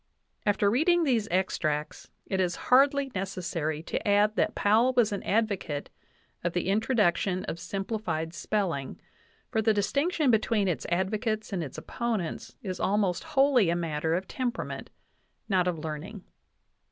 After reading these extracts it is hardly necessary to add that Powell was an advocate of the introduction of simplified spelling, for the distinction between its advocates and its opponents is al most wholly a matter of temperament, not of learning.